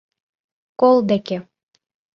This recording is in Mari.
КОЛ ДЕКЕ